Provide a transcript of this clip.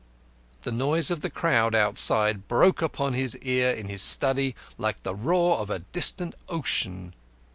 The noise of the crowd outside broke upon his ear in his study like the roar of a distant ocean.